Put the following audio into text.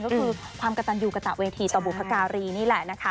ก็คือความกระตันยูกระตะเวทีต่อบุพการีนี่แหละนะคะ